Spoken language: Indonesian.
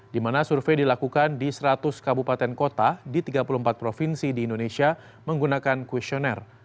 di mana survei dilakukan di seratus kabupaten kota di tiga puluh empat provinsi di indonesia menggunakan questionnaire